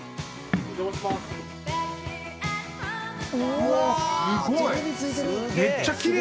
うわっすごい！